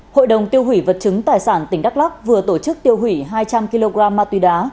hội đồng tiêu hủy vật chứng tài sản tỉnh đắk lắc vừa tổ chức tiêu hủy hai trăm linh kg ma túy đá